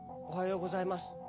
おはようございます！